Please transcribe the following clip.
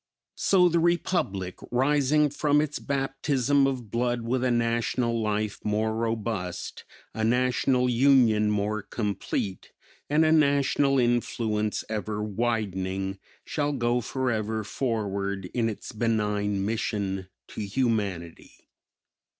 So the Republic, rising from its baptism of blood with a national life more robust, a national union more complete, and a national influence ever widening, shall go forever forward in its benign mission to humanity."